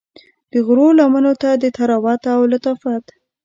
د غرو لمنو ته د طراوت او لطافت